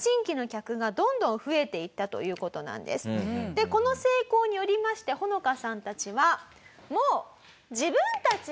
でこの成功によりましてホノカさんたちは。